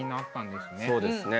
そうですね。